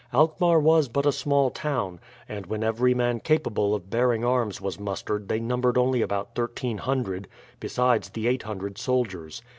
Alkmaar was but a small town, and when every man capable of bearing arms was mustered they numbered only about 1300, besides the 800 soldiers.